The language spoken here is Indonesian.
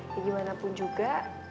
ya gimana pun juga